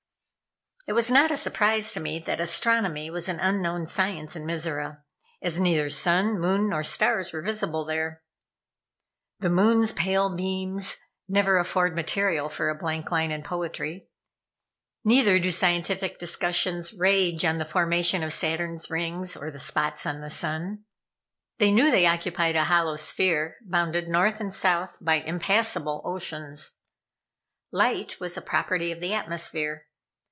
It was not a surprise to me that astronomy was an unknown science in Mizora, as neither sun, moon, nor stars were visible there. "The moon's pale beams" never afford material for a blank line in poetry; neither do scientific discussions rage on the formation of Saturn's rings, or the spots on the sun. They knew they occupied a hollow sphere, bounded North and South by impassible oceans. Light was a property of the atmosphere.